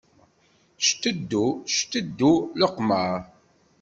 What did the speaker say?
Cteddu, cteddu leqmer.